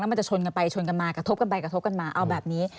มันจะชนกันไปชนกันมากระทบกันไปกระทบกันมาเอาแบบนี้